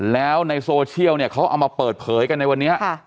แล้วในโซเชียลเนี่ยเขาเอามาเปิดเผยกันในวันนี้